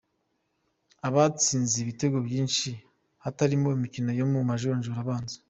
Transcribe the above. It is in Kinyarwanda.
Abatsinze ibitego byinshi hatarimo imikino yo mu majonjora abanza.